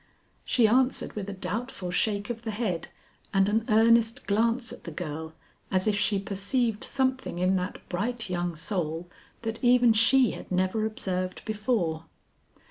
She answered with a doubtful shake of the head and an earnest glance at the girl as if she perceived something in that bright young soul, that even she had never observed before.